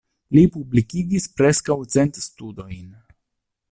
Li publikigis preskaŭ cent studojn.